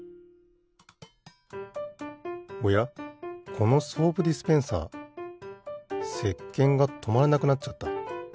このソープディスペンサーせっけんがとまらなくなっちゃった。